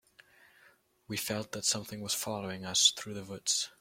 We felt that something was following us through the woods.